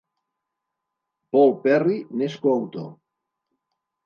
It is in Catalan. Paul Perry n'és coautor.